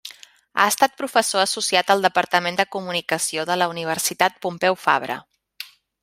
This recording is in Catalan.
Ha estat professor associat al Departament de Comunicació de la Universitat Pompeu Fabra.